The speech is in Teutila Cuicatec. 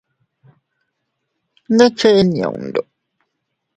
¿Ne chen yundu?